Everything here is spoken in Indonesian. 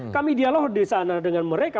kami dialog di sana dengan mereka